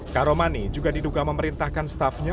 karomani juga diduga memerintahkan staffnya